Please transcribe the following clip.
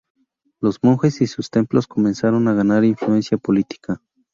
Los monjes y sus templos comenzaron a ganar influencia política.